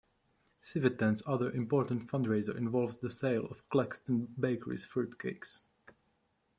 Civitan's other important fundraiser involves the sale of Claxton Bakery's fruitcakes.